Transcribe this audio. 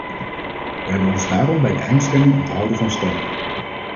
We hebben ons daarom bij de eindstemming onthouden van stemming.